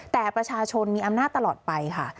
แต่ประชาชนมีอำนาจตลอดไปค่ะ